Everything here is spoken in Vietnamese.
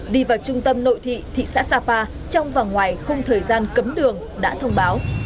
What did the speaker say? đi vào trung tâm nội thị thị xã sapa trong và ngoài không thời gian cấm đường đã thông báo